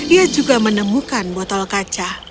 ia juga menemukan botol kaca